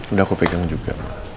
udah aku pegang juga